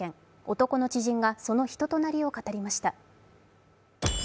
男の知人が、その人となりを語りました。